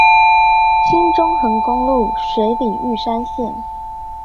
新中橫公路水里玉山線